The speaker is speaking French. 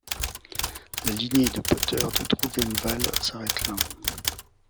La lignée de Potter de Droogenwalle s’arrête là.